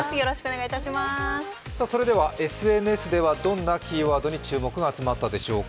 それではＳＮＳではどんなキーワードに注目が集まったでしょうか。